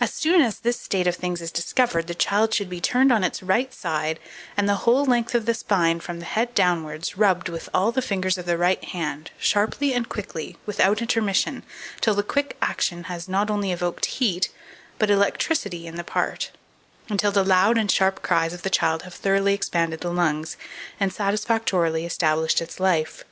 As soon as this state of things is discovered, the child should be turned on its right side, and the whole length of the spine, from the head downwards, rubbed with all the fingers of the right hand, sharply and quickly, without intermission, till the quick action has not only evoked heat, but electricity in the part, and till the loud and sharp cries of the child have thoroughly expanded the lungs, and satisfactorily established its life.